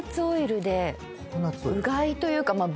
うがいというか。